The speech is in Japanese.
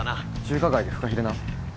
中華街でフカヒレな。